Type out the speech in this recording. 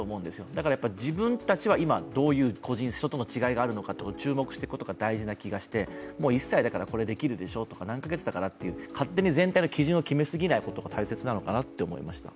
だから自分たちは今、どういう人との違いがあるのかと注目していくことが大事な気がして、１歳だからこれができるでしょとか何か月だからとか、勝手に全体の基準を決めすぎないことが大事なのかなと思いました。